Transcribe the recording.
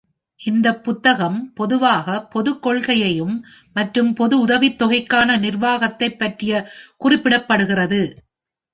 இந்தப் புத்தகம் பொதுவாக பொதுக் கொள்கையையும் மற்றும் பொது உதவித்தொகைக்கான நிர்வாகத்தைப் பற்றிய குறிப்பிடப்படுகிறது.